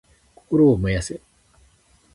心を燃やせ！